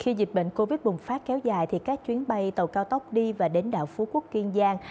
khi dịch bệnh covid bùng phát kéo dài thì các chuyến bay tàu cao tốc đi và đến đảo phú quốc kiên giang